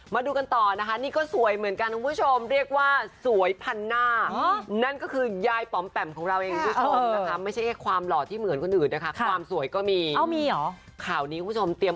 มาดูกันต่อนะคะนี่ก็สวยเหมือนกันคุณผู้ชมเรียกว่าสวยพันหน้านั่นก็คือยายป๋อมแปมของเราเองคุณผู้ชมนะคะไม่ใช่แค่ความหล่อที่เหมือนคนอื่นนะคะความสวยก็มีเหรอข่าวนี้คุณผู้ชมเตรียม